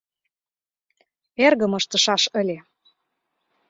Эргым ыштышаш ыле.